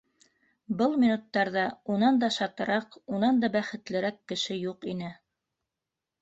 Был минуттарҙа унан да шатыраҡ, унан да бәхетлерәк кеше юҡ ине.